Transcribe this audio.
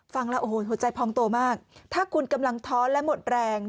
ฟังแล้วโอ้โหหัวใจพองโตมากถ้าคุณกำลังท้อนและหมดแรง